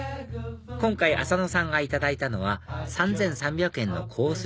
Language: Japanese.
今回浅野さんがいただいたのは３３００円のコース